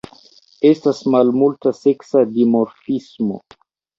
Estas malmulta seksa dimorfismo.